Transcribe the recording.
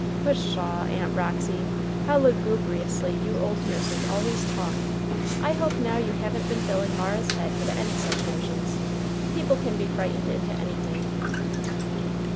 "Pshaw, Aunt Roxy! how lugubriously you old nurses always talk! I hope now you haven't been filling Mara's head with any such notions people can be frightened into anything."